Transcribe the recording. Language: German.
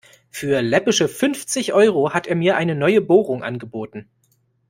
Für läppische fünfzig Euro hat er mir eine neue Bohrung angeboten.